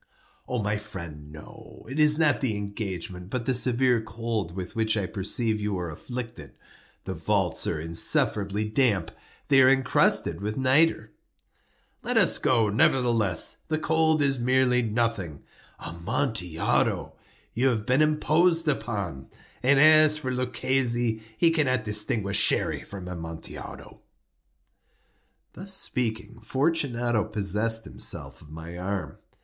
"My friend, no. It is not the engagement, but the severe cold with which I perceive you are afflicted. The vaults are insufferably damp. They are encrusted with nitre." "Let us go, nevertheless. The cold is merely nothing. Amontillado! You have been imposed upon. And as for Luchesi, he cannot distinguish Sherry from Amontillado." Thus speaking, Fortunato possessed himself of my arm.